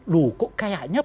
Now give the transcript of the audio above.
loh kok kayaknya partai politik